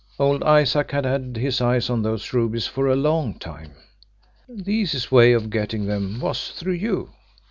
"Old Isaac had had his eyes on those rubies for a long time. The easiest way of getting them was through you.